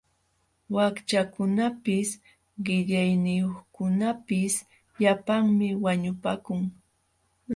Wakchakunapis qillayniyuqkunapis llapanmi wañupakun.